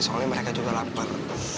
soalnya mereka juga lapar